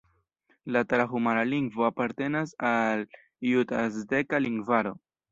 La tarahumara-lingvo apartenas al la jut-azteka lingvaro.